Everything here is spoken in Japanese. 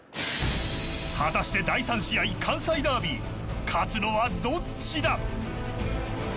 果たして第３試合関西ダービー勝つのはどっちだ。